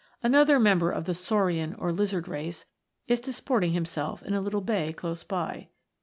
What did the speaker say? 5 Another member of the Saurian or Lizard race is disporting himself in a little bay close by.